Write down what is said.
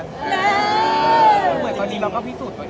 แต่เราก็พิสูจน์ตัวเอง